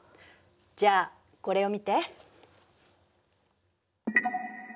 じゃあこれを見て。